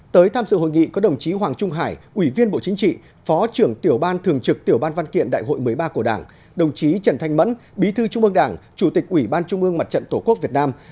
tới tham dự hội nghị có đồng chí hoàng trung hải ủy viên bộ chính trị phó trưởng tiểu ban thường trực tiểu ban văn kiện đại hội một mươi ba của đảng đồng chí trần thanh mẫn bí thư trung ương đảng chủ tịch ủy ban trung ương mặt trận tổ quốc việt nam